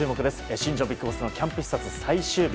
新庄ビッグボスのキャンプ最終日。